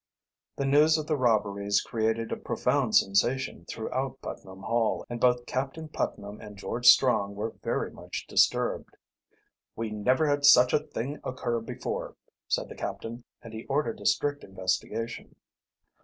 The news of the robberies created a profound sensation throughout Putnam Hall, and both Captain Putnam and George Strong were very much disturbed. "We never had such a thing occur before," said the captain, and he ordered a strict investigation.